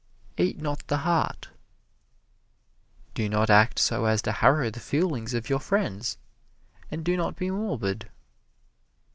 "Eat not the heart" do not act so as to harrow the feelings of your friends, and do not be morbid.